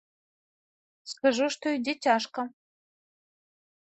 Скажу, што ідзе цяжка.